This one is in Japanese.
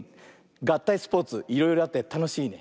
がったいスポーツいろいろあってたのしいね。